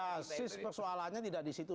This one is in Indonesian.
basis persoalannya tidak di situ